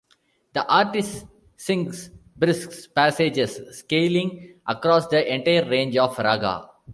The artist sings brisks passages scaling across the entire range of raga.